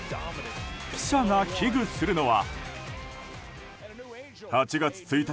記者が危惧するのは。